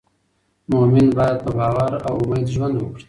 مؤمن باید په باور او امید ژوند وکړي.